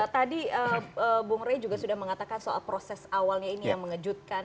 tadi bung rey juga sudah mengatakan soal proses awalnya ini yang mengejutkan